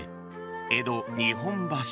「江戸日本橋」。